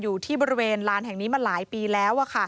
อยู่ที่บริเวณลานแห่งนี้มาหลายปีแล้ว